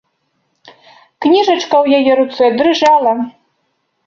Кніжачка ў яе руцэ дрыжала.